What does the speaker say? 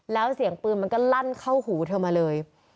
แล้วเสียงปืนมันก็ลั่นเข้าหูเธอมาเลย